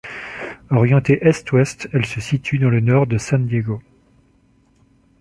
Orientée est-ouest, elle se situe dans le nord de San Diego.